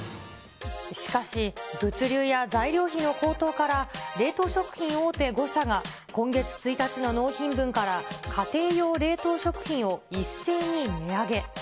しかし、物流や材料費の高騰から、冷凍食品大手５社が、今月１日の納品分から家庭用冷凍食品を一斉に値上げ。